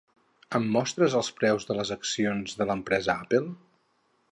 Em mostres el preu de les accions de l'empresa Apple?